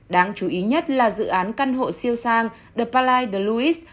đáng chú ý nhất là dự án căn hộ siêu sang the palais louis